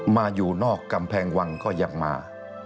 อยู่นอกกำแพงวังก็ยังมา